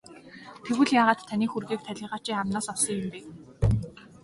Тэгвэл яагаад таны хөрөгийг талийгаачийн амнаас олсон юм бэ?